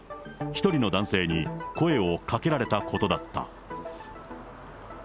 １人の男性に声をかけられたことだった。